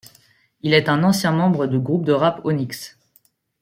Il est un ancien membre du groupe de rap Onyx.